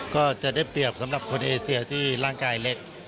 ก็จะได้เปรียบสำหรับคนเอเซียที่ร่างกายเล็ก